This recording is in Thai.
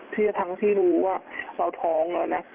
ทั้งที่รู้ว่าเราท้องแล้วนะ